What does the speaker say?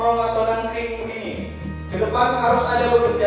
mengenai keuangan di indonesia sendiri dan sistemnya orangnya